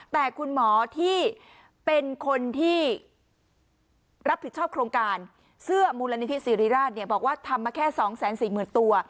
แต่คุณหมอที่เป็นคนที่รับผิดชอบโครงการเสื้อมูลนิธิสิริราชเนี่ยบอกว่าทำมาแค่๒๔๐๐๐ตัว